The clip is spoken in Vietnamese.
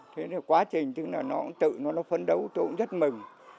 thế thì quá trình nó cũng tự nó phấn đấu tôi cũng rất mừng